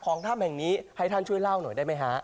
ของถ้ำแห่งนี้ให้ท่านช่วยเล่าหน่อยได้ไหมฮะ